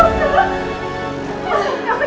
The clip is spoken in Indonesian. aku cerita sama mama